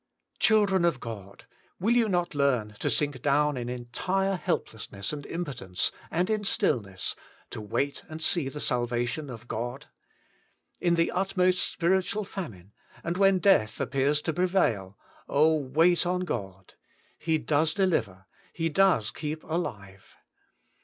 Children of God ! will you not learn to sink down in entire helplessness and impotence and in stillness to wait and see the salvation of God ? Li the utmost spiritual famine, and when death appears to prevail, oh, wait on God. He does deliver. He does keep alive.